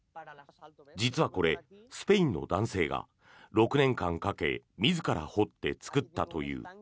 実はこれスペインの男性が６年間かけ自ら掘って作ったという。